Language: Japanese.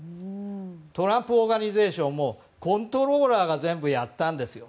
トランプ・オーガニゼーションもコントローラーが全部やったんですよ。